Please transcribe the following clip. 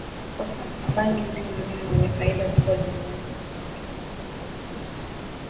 Kwa sasa bangi ndio mmea wenye faida kubwa duniani na wakenya wanastahili kujua